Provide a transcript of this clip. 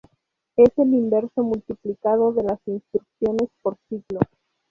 Es el inverso multiplicativo de las instrucciones por ciclo.